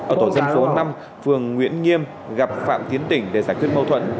ở tổ dân phố năm phường nguyễn nghiêm gặp phạm tiến tỉnh để giải quyết mâu thuẫn